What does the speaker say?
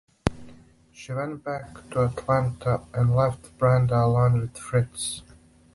She went back to Atlanta and left Brenda alone with Fritz.